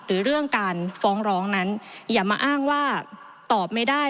หรือเรื่องการฟ้องร้องนั้นอย่ามาอ้างว่าตอบไม่ได้